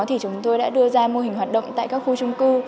thì chúng tôi đã đưa ra mô hình hoạt động tại các khu trung cư